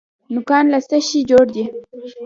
نوکان له څه شي جوړ دي؟